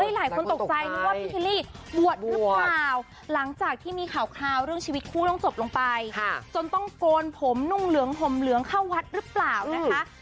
หลายคนตกใจนึกว่าพี่เคลลี่บวชหรือเปล่าหลังจากที่มีข่าวเรื่องชีวิตคู่ต้องจบลงไปจนต้องโกนผมนุ่งเหลืองห่มเหลืองเข้าวัดหรือเปล่านะคะ